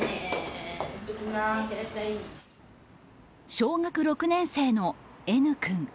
小学６年生のＮ君。